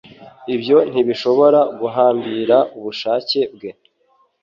Ibyo ntibishobora guhambira ubushake bwe